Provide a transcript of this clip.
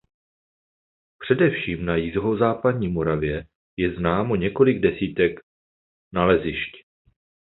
Především na jihozápadní Moravě je známo několik desítek nalezišť.